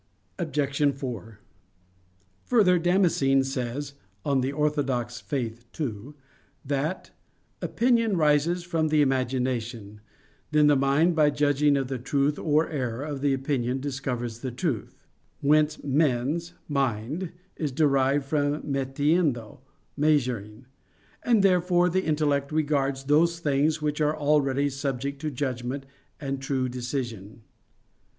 Obj. 4: Further, Damascene says (De Fide Orth. ii) that "opinion rises from the imagination: then the mind by judging of the truth or error of the opinion discovers the truth: whence mens (mind) is derived from metiendo (measuring). And therefore the intellect regards those things which are already subject to judgment and true decision."